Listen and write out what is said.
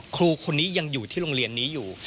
ครูคนนี้ยังอยู่ที่โรงเรียนนี้อยู่